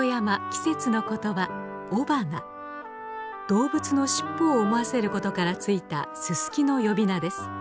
動物の尻尾を思わせることからついたススキの呼び名です。